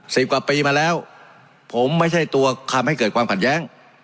สิบกว่าปีมาแล้วผมไม่ใช่ตัวคำให้เกิดความขัดแย้ง